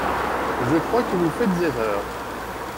Je crois que vous faites erreur.